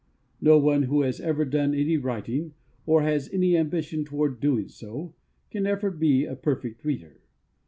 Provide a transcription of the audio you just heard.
No one who has ever done any writing, or has any ambition toward doing so, can ever be a Perfect Reader.